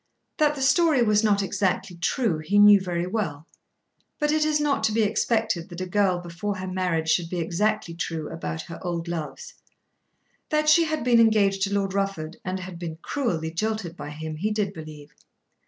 That the story was not exactly true, he knew very well. But it is not to be expected that a girl before her marriage should be exactly true about her old loves. That she had been engaged to Lord Rufford and had been cruelly jilted by him he did believe.